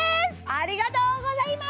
ありがとうございます！